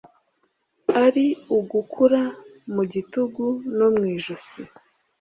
Ari ugukura mu gitugu no mu ijosi